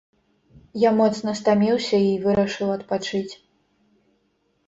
Я моцна стаміўся і вырашыў адпачыць.